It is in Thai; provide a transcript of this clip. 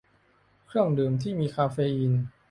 เครื่องดื่มที่มีคาเฟอีน